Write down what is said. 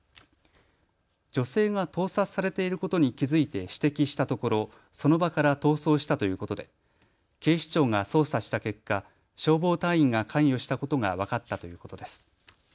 女性が盗撮されていることに気付いて指摘したところその場から逃走したということで警視庁が捜査した結果、消防隊員が関与したことが分かったということです。